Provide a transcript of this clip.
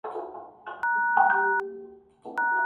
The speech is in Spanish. Es empleando un cocinado a baja temperatura.